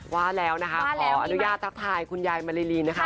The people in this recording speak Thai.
ว่าแล้วนะคะขออนุญาตทักทายคุณยายมาริลีนะคะ